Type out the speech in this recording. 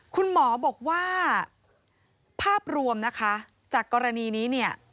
คุณหมอบอกว่าภาพรวมนะคะจากกรณีนี้เนี่ย